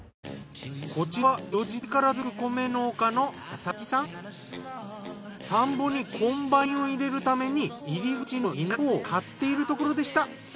こちらは江戸時代から続く米農家の田んぼにコンバインを入れるために入り口の稲穂を刈っているところでした。